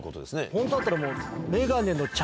ホントだったらもう。